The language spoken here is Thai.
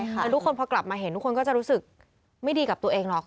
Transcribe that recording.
แล้วทุกคนพอกลับมาเห็นทุกคนก็จะรู้สึกไม่ดีกับตัวเองหรอก